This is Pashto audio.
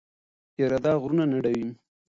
اراده غرونه نړوي.